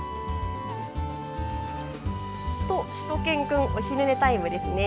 しゅと犬くんお昼寝タイムですね。